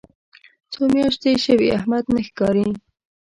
څو میاشتې شوې احمد نه ښکاري.